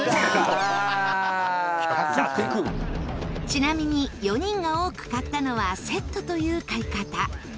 ちなみに４人が多く買ったのはセットという買い方。